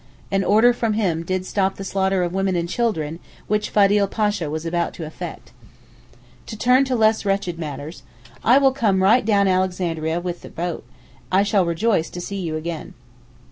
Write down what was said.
An order from him did stop the slaughter of women and children which Fadil Pasha was about to effect. To turn to less wretched matters. I will come right down Alexandria with the boat, I shall rejoice to see you again.